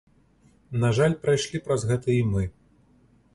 На жаль, прайшлі праз гэта і мы.